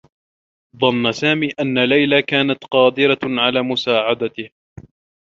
ظنّ سامي أنّ ليلى كانت قادرة على مساعدته.